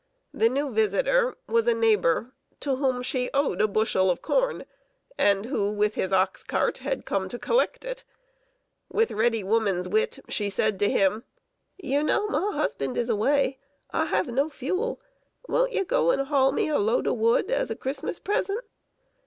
The new visitor was a neighbor, to whom she owed a bushel of corn, and who, with his ox cart, had come to collect it. With ready woman's wit, she said to him: "You know my husband is away. I have no fuel. Won't you go and haul me a load of wood, as a Christmas present?"